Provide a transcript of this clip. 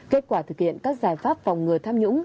kết quả thực hiện các giải pháp phòng ngừa tham nhũng